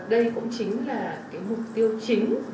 đây cũng chính là mục tiêu chính